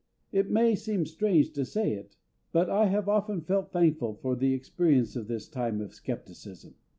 It may seem strange to say it, but I have often felt thankful for the experience of this time of scepticism.